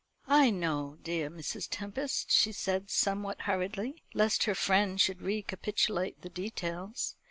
"I know, dear Mrs. Tempest," she said somewhat hurriedly, lest her friend should recapitulate the details.